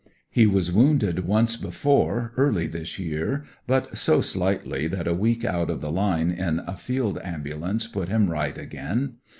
He was wounded once before, early this year, but so slightly that a week out of the line in a field ambulance put him right again.